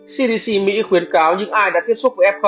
cdc mỹ khuyến cáo những ai đã tiếp xúc với fpt